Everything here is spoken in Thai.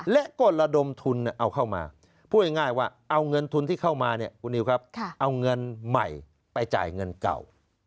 และก็ระดมทุนเอาเข้ามาพูดง่ายว่าเอาเงินทุนที่เข้ามาเนี่ยคุณนิวครับเอาเงินใหม่ไปจ่ายเงินเก่า